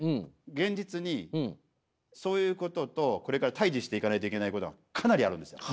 現実にそういうこととこれから対じしていかないといけないことがかなりあるんですよ。